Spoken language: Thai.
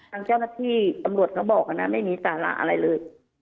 ทางเจ้าหน้าที่ตำรวจเขาบอกนะไม่มีสาระอะไรเลย